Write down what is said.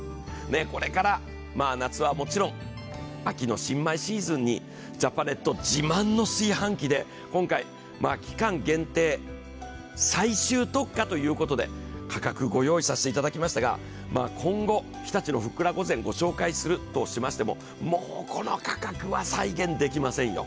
これから夏はもちろん、秋の新米シーズンにジャパネット自慢の炊飯器で今回期間限定、最終特価ということで価格ご用意させていただきましたが、今後、日立のふっくら御膳をご紹介するとしてももうこの価格は再現できませんよ。